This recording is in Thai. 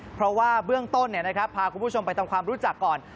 เพราะว่าเบื้องต้นพาคุณผู้ชมไปทำความรู้จักก่อน